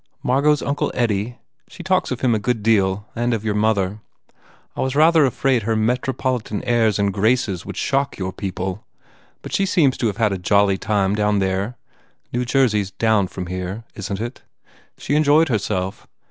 "Margot s Uncle Eddie? She talks of him a good deal and of your mother. I was rather afraid her metropolitan airs and graces would shock your people but she seems to have had a jolly time down there New Jersey s down from here, isn t it? She enjoyed herself.